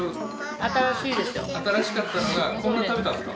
新しかったのがこんな食べたんですか？